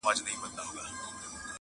چي پيشو مخي ته راغله برابره،